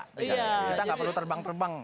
kita nggak perlu terbang terbang